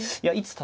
はい。